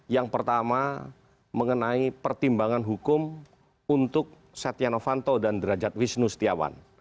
yang pertama mengenai pertimbangan hukum untuk setia novanto dan derajat wisnu setiawan